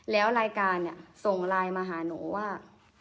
แล้วรายการส่งไลน์มาหาหนูว่า